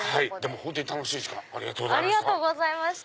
本当に楽しい時間ありがとうございました。